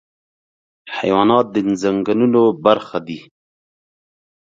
حیوانات د ځنګلونو برخه دي.